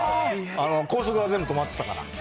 高速が全部止まってたから。